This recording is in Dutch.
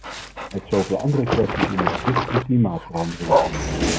Met zoveel andere kwesties in het zicht van klimaatverandering?